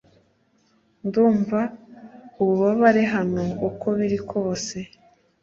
Ndumva ububabare hano uko biri kose